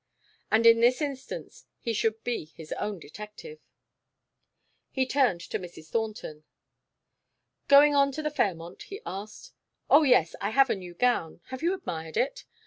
And in this instance he should be his own detective. He turned to Mrs. Thornton. "Going on to the Fairmont?" he asked. "Oh, yes, I have a new gown have you admired it?